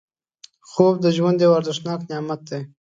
خوب د ژوند یو ارزښتناک نعمت دی